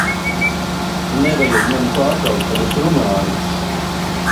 Nevajag mani pārtraukt, kad es runāju!